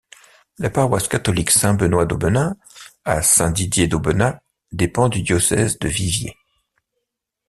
La paroisse catholique Saint-Benoît d'Aubenas à Saint-Didier-d'Aubenas dépend du diocèse de Viviers.